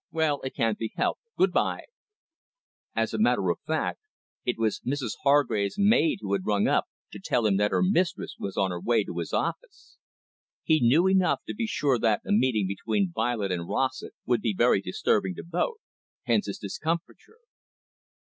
Well, it can't be helped. Good bye." As a matter of fact, it was Mrs Hargrave's maid who had rung up to tell him that her mistress was on her way to his office. He knew enough to be sure that a meeting between Violet and Rossett would be very disturbing to both, hence his discomfiture.